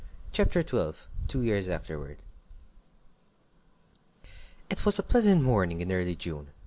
CHAPTER XII TWO YEARS AFTERWARD It was a pleasant morning in early June.